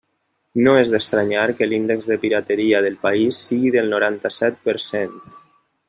No és d'estranyar que l'índex de pirateria del país sigui del noranta-set per cent.